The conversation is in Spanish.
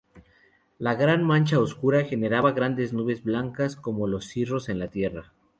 La gran mancha oscura generaba grandes nubes blancas como los cirros en la Tierra.